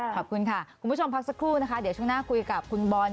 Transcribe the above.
ขอบคุณค่ะคุณผู้ชมพักสักครู่นะคะเดี๋ยวช่วงหน้าคุยกับคุณบอล